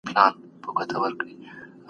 زه اوس د سبا لپاره د ليکلو تمرين کوم؟!